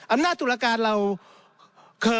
อำนาจตุลาการเราเธอ